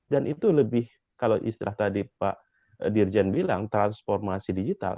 dan itu lebih kalau istilah tadi pak dirjen bilang transformasi digital